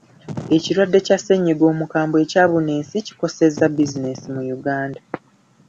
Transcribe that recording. Ekirwadde kya ssenyiga omukambwe ekyabuna ensi kikosezza bizinensi mu Uganda.